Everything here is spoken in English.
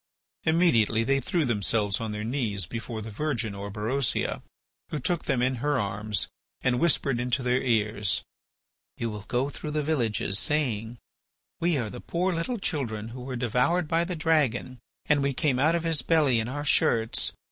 Immediately they threw themselves on their knees before the virgin Orberosia, who took them in her arms and whispered into their ears: "You will go through the villages saying: 'We are the poor little children who were devoured by the dragon, and we came out of his belly in our shirts.